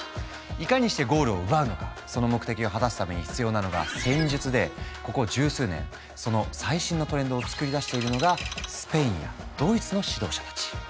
その目的を果たすために必要なのが戦術でここ十数年その最新のトレンドを作り出しているのがスペインやドイツの指導者たち。